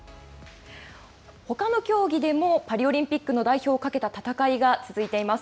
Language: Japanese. ほかの競技でもパリオリンピックの代表をかけた戦いが続いています。